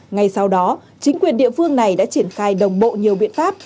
ngay sau đó chính quyền địa phương này đã triển khai đồng bộ nhiều biện pháp